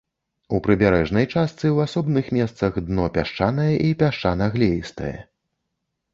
У прыбярэжнай частцы ў асобных месцах дно пясчанае і пясчана-глеістае.